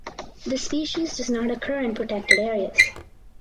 The species does not occur in protected areas.